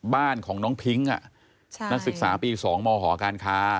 บ้านของน้องพิ้งนักศึกษาปี๒มหอการค้า